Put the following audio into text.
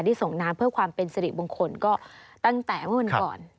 ที่ส่งน้ำเพื่อความเป็นศิลป์บงคลก็ตั้งแต่เมื่อก่อน